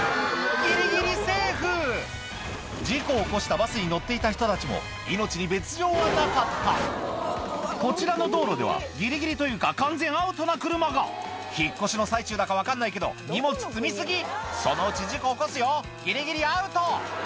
ギリギリセーフ事故を起こしたバスに乗っていた人たちも命に別条はなかったこちらの道路ではギリギリというか完全アウトな車が引っ越しの最中だか分かんないけど荷物積み過ぎそのうち事故起こすよギリギリアウト！